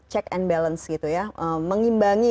check and balance gitu ya mengimbangi